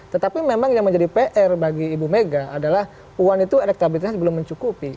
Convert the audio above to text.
tetapi memang yang menjadi pr bagi ibu mega adalah puan itu elektabilitasnya belum mencukupi